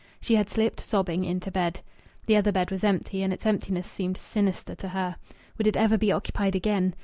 She had slipped sobbing into bed. The other bed was empty, and its emptiness seemed sinister to her. Would it ever be occupied again?